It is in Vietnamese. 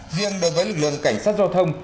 riêng đối với lực lượng cảnh sát giao thông